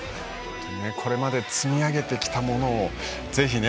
これまで積み上げてきたものをぜひ。